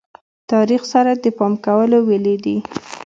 تاریخ سره د پام کولو ویلې دي.